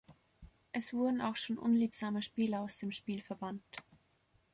Es wurden auch schon unliebsame Spieler aus dem Spiel verbannt.